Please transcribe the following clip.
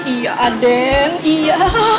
iya den iya